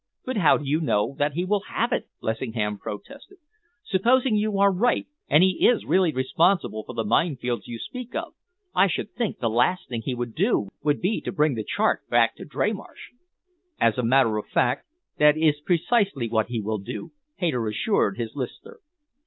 "But how do you know that he will have it?" Lessingham protested. "Supposing you are right and he is really responsible for the minefields you speak of, I should think the last thing he would do would be to bring the chart back to Dreymarsh." "As a matter of fact, that is precisely what he will do," Hayter assured his listener.